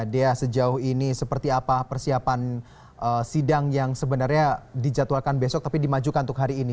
dea sejauh ini seperti apa persiapan sidang yang sebenarnya dijadwalkan besok tapi dimajukan untuk hari ini